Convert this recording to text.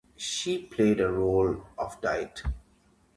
She played the role of Dite.